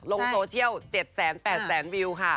ลงโซเชียล๗แสน๘แสนวิวค่ะ